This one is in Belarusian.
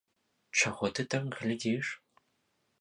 Чаго ты так глядзіш?